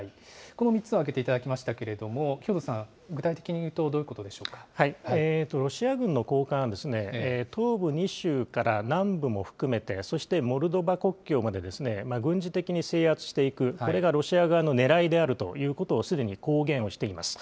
この３つを挙げていただきましたけれども、兵頭さん、具体的に言ロシア軍の高官は、東部２州から南部も含めて、そしてモルドバ国境まで軍事的に制圧していく、これがロシア側の狙いであるということを、すでに公言をしています。